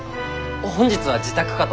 本日は自宅かと。